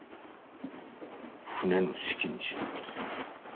船の資金にしろって。